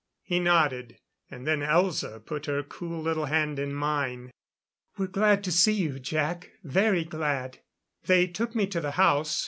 He nodded. And then Elza put her cool little hand in mine. "We're glad to see you, Jac. Very glad." They took me to the house.